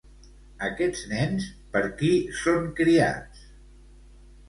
Aquests nens, per qui són criats?